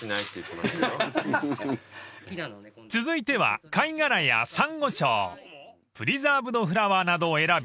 ［続いては貝殻やサンゴ礁プリザーブドフラワーなどを選び］